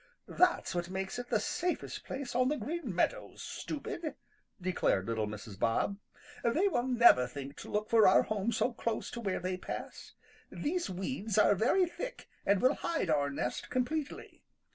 "That's what makes it the safest place on the Green Meadows, stupid," declared little Mrs. Bob. "They will never think to look for our home so close to where they pass. These weeds are very thick and will hide our nest completely.